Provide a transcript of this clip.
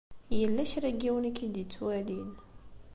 Yella kra n yiwen i k-id-ittwalin.